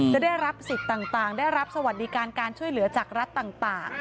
ได้รับสิทธิ์ต่างได้รับสวัสดิการการช่วยเหลือจากรัฐต่าง